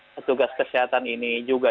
petugas kesehatan ini juga